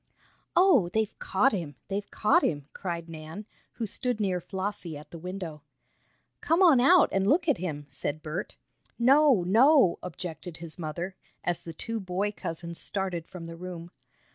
"Oh, they've caught him! They've caught him!" cried Nan, who stood near Flossie at the window. "Come on out and look at him!" said Bert. "No, no!" objected his mother, as the two boy cousins started from the room.